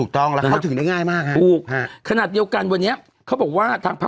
ถูกต้องป่ะ